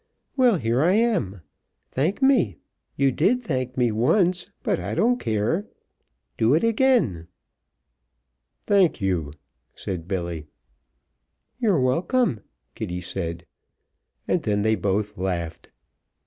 "Well, here I am. Thank me. You did thank me once, but I don't care. Do it again." "Thank you," said Billy. "You're welcome," Kitty said, and then they both laughed.